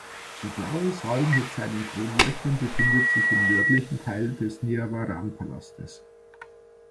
Der blaue Saal mit seinen Kronleuchtern befindet sich im nördlichen Teil des Niavaran-Palastes.